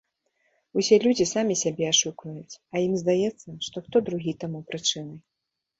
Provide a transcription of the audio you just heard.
Усе людзі самі сябе ашукваюць, а ім здаецца, што хто другі таму прычынай.